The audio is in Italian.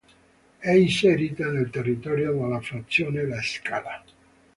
È inserita nel territorio della frazione La Scala.